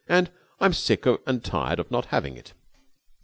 and I'm Sick and Tired of Not Having It.